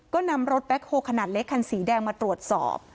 ก็นำรถแบ็คโฮลขนาดเล็กคันสีแดงมาตรวจสอบ